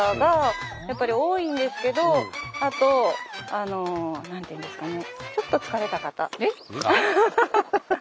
あの何ていうんですかね